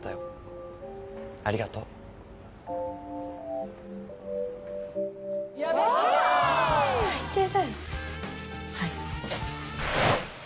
「ありがとう」「最低だよあいつ」